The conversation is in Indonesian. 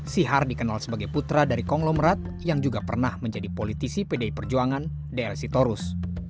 sihar dikenal sebagai putra dari konglomerat yang juga pernah menjadi politisi pdi perjuangan dl sitorus